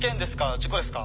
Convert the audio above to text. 事故ですか？